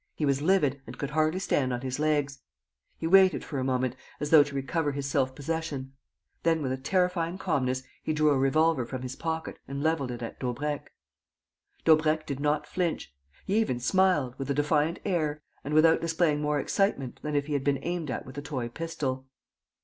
He was livid and could hardly stand on his legs. He waited for a moment, as though to recover his self possession. Then, with a terrifying calmness, he drew a revolver from his pocket and levelled it at Daubrecq. Daubrecq did not flinch. He even smiled, with a defiant air and without displaying more excitement than if he had been aimed at with a toy pistol.